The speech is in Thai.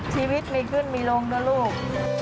ชีวิตมีขึ้นมีลงนะลูก